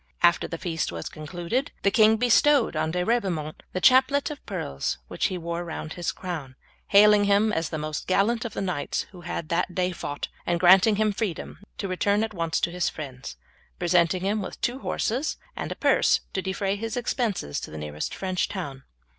After the feast was concluded the king bestowed on De Ribaumont the chaplet of pearls which he wore round his crown, hailing him as the most gallant of the knights who had that day fought, and granting him freedom to return at once to his friends, presenting him with two horses, and a purse to defray his expenses to the nearest French town.